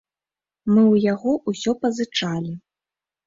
Мы ў яго ўсё пазычалі.